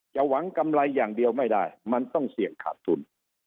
หวังกำไรอย่างเดียวไม่ได้มันต้องเสี่ยงขาดทุน